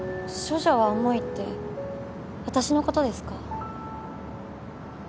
処女は重いって私のことですか？